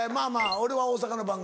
俺は大阪の番組で。